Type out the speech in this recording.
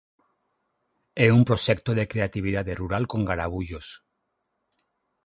É un proxecto de creatividade rural con garabullos.